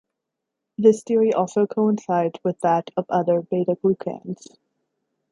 This theory also coincides with that of other beta-glucans.